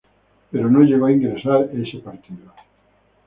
Pero no llegó a ingresar ese partido.